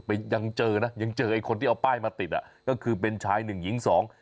ยังเจอนะยังเจอไอ้คนที่เอาป้ายมาติดอ่ะก็คือเป็นชายหนึ่งหญิงสอง